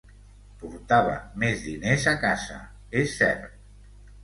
Portava més diners a casa, és cert.